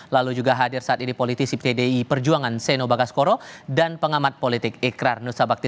lalu juga hadir saat ini politisi pdi perjuangan seno bagaskoro dan pengamat politik ikrar nusa bakti